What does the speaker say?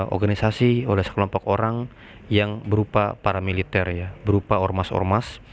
organisasi oleh sekelompok orang yang berupa paramiliter ya berupa ormas ormas